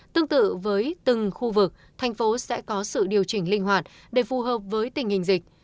tương tự với từng khu vực thành phố sẽ có sự điều chỉnh linh hoạt để phù hợp với tình hình dịch